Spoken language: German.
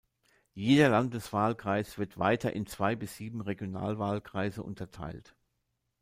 Jeder Landeswahlkreis wird weiter in zwei bis sieben "Regionalwahlkreise" unterteilt.